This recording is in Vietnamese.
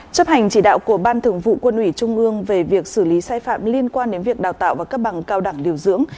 chấp hành chỉ đạo của ban thường vụ quân ủy trung ương về việc xử lý sai phạm liên quan đến việc đào tạo và cấp bằng cao đẳng điều dưỡng